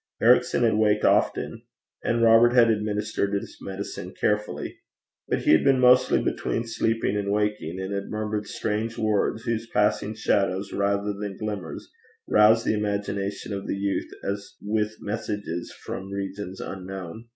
Ericson had waked often, and Robert had administered his medicine carefully. But he had been mostly between sleeping and waking, and had murmured strange words, whose passing shadows rather than glimmers roused the imagination of the youth as with messages from regions unknown.